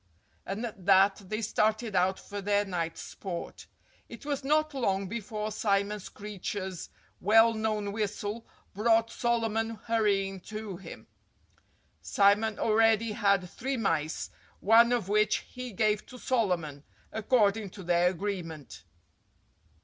And at that they started out for their night's sport. It was not long before Simon Screecher's well known whistle brought Solomon hurrying to him. Simon already had three mice, one of which he gave to Solomon, according to their agreement.